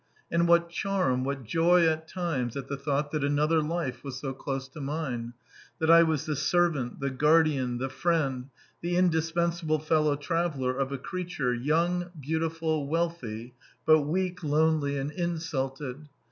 And what charm, what joy at times at the thought that another life was so close to mine! that I was the servant, the guardian, the friend, the indispensable fellow traveller of a creature, young, beautiful, wealthy, but weak, lonely, and insulted!